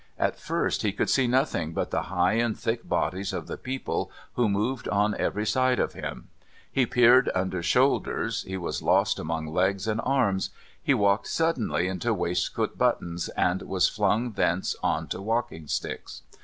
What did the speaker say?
At first he could see nothing but the high and thick bodies of the people who moved on every side of him; he peered under shoulders, he was lost amongst legs and arms, he walked suddenly into waistcoat buttons and was flung thence on to walking sticks.